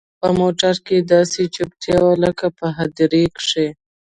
په موټر کښې داسې چوپتيا وه لكه په هديره کښې.